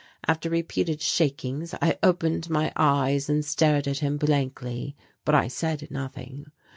After repeated shakings I opened my eyes and stared at him blankly, but I said nothing.